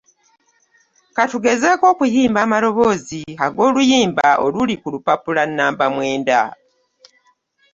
Ka tugezeeko okuyimba amaloboozi ag'oluyimba oluli ku lupapula nnamba mwenda.